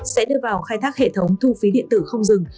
sẽ đưa vào khai thác hệ thống thu phí điện tử không dừng